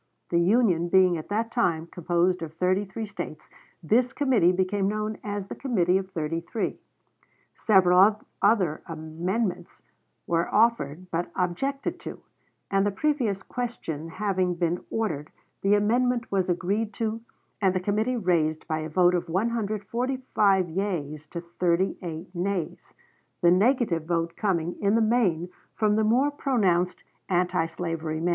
The Union being at that time composed of thirty three States, this committee became known as the Committee of Thirty three. Several other amendments were offered but objected to, and the previous question having been ordered, the amendment was agreed to and the committee raised by a vote of 145 yeas to 38 nays; the negative vote coming, in the main, from the more pronounced anti slavery men.